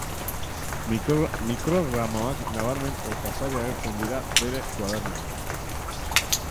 Mikrogramoak nabarmen eta sarri agertzen dira bere koadernoetan.